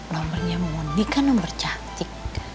nomernya mondi kan nomer cantik